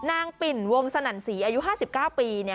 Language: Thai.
นางปิ่นวงสนันสรีอายุ๕๙ปี